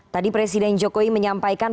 tadi presiden jokowi menyampaikan